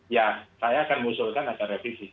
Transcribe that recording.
ya saya akan mengusulkan ada revisi